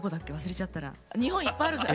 日本いっぱいあるんです。